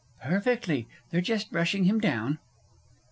Perfectly they're just brushing him down.